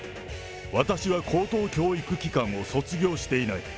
私は高等教育機関を卒業していない。